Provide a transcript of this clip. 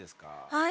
はい。